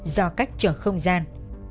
do cách trở không gian